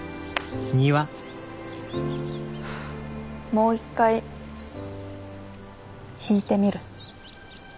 ・もう一回弾いてみる。